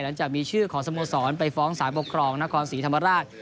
หลังจากมีชื่อของสโมสรไปฟ้องสารปกครองนครศรีธรรมราช